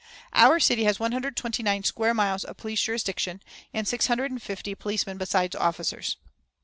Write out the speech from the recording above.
"Our city has one hundred and twenty nine (129) square miles of police jurisdiction, and six hundred and fifty (650) policemen besides officers.